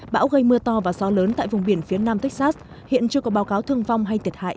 bão gây mưa to và gió lớn tại vùng biển phía nam texas hiện chưa có báo cáo thương vong hay thiệt hại